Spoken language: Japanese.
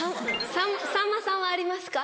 さんまさんはありますか？